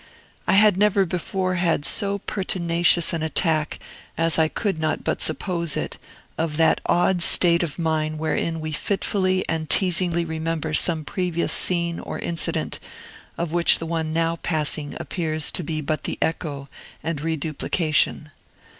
I had never before had so pertinacious an attack, as I could not but suppose it, of that odd state of mind wherein we fitfully and teasingly remember some previous scene or incident, of which the one now passing appears to be but the echo and reduplication.